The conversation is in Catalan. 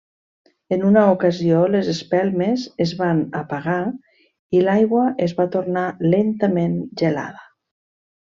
En una ocasió, les espelmes es van apagar i l'aigua es va tornar lentament gelada.